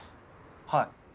はい。